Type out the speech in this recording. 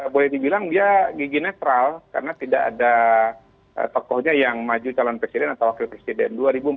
boleh dibilang dia gigi netral karena tidak ada tokohnya yang maju calon presiden atau wakil presiden